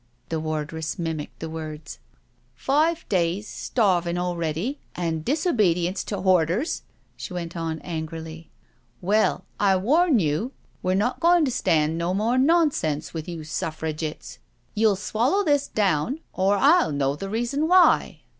The wardress mimicked the words. "Five days starving already and disobedience to borders," she went on angrily. " Well, I warn you we're not goin* to stand no more nonsense with you Suifrigitts — you'll swallow this down, or I'll know the reason why."